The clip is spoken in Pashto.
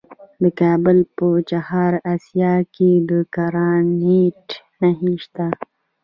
د کابل په چهار اسیاب کې د ګرانیټ نښې شته.